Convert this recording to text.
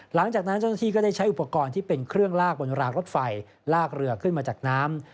หลังจากฉันได้ใช้อุปกรณ์ที่เป็นเครื่องลากบนรากรถไฟลากเรือขึ้นมาจากน้ำ